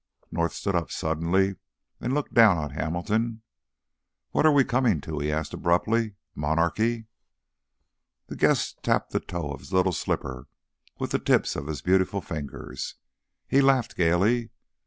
North stood up suddenly and looked down on Hamilton. "What are we coming to?" he asked abruptly. "Monarchy?" The guest tapped the toe of his little slipper with the tips of his beautiful fingers. He laughed gayly.